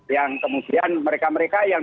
yang kemudian mereka mereka yang